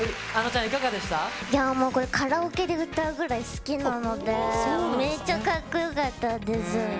いやぁ、もうこれ、カラオケで歌うくらい好きなので、めっちゃかっこよかったです。